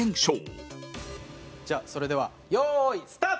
松橋：じゃあ、それでは用意、スタート！